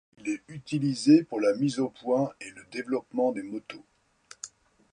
Il est utilisé pour la mise au point et le développement des motos.